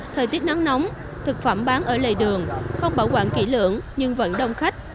thời tiết nắng nóng thực phẩm bán ở lề đường không bảo quản kỹ lưỡng nhưng vẫn đông khách